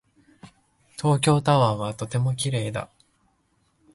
東京タワーはとても綺麗だ。